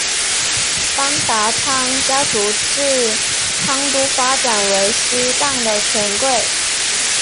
邦达仓家族自昌都发展为西藏的权贵。